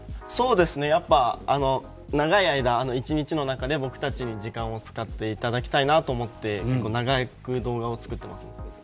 やっぱり１日の中で僕たちに時間を使っていただきたいなと思って長く動画を作っています。